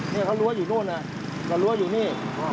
นี่เขารั้วอยู่โน่นน่ะมันรั้วอยู่นี่นี่ทางลง